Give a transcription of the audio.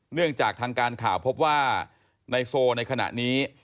เนื่องจากทางการข่าวพบว่าในโซในขณะนี้